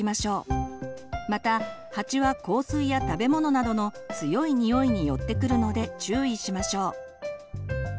また蜂は香水や食べ物などの強い匂いに寄ってくるので注意しましょう。